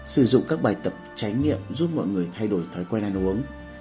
sử dụng các bài tập tránh nhiệm giúp mọi người thay đổi thói quen ăn uống